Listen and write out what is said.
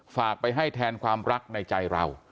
ฝากไปให้แทนความรักในใจเรา